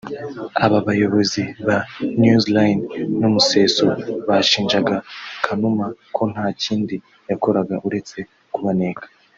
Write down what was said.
Abo bayobozi ba NewsLine n’Umuseso bashinjaga Kanuma ko nta kindi yakoraga uretse kubaneka